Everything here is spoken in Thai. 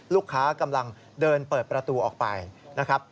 กำลังเดินเปิดประตูออกไปนะครับ